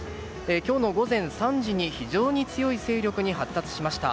今日の午前３時に非常に強い勢力に発達しました。